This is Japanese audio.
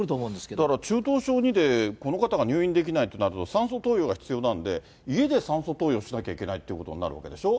だから、中等症２で、この方が入院できないとなると、酸素投与が必要なんで、家で酸素投与しなきゃいけないということになるわけでしょ。